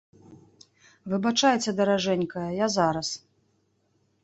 Выбачайце, даражэнькая, я зараз.